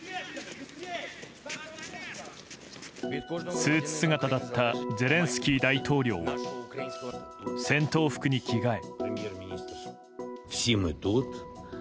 スーツ姿だったゼレンスキー大統領は戦闘服に着替え。